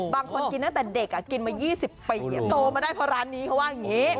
บางคนกินตั้งแต่เด็กอ่ะกินมายี่สิบโตมาได้เพราะร้านนี้เขาว่าเนี้ย